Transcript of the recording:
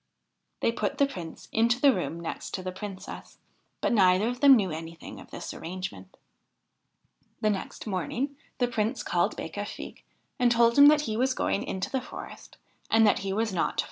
They put the Prince into the room next to the Princess, but neither of them knew anything of this arrangement. The next morning the Prince called Becafigue, and told him that he was going into the forest and that he was not to follow him.